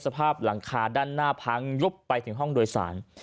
สภาพหลังคาด้านหน้าพังยุบไปถึงห้องโดยสาร